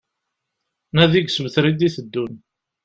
Nadi deg usebter d-iteddun